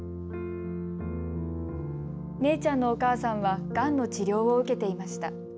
めいちゃんのお母さんは、がんの治療を受けていました。